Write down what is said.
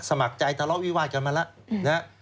สมัครใจทะเลาะวิวาดกันมาแล้วนะฮะ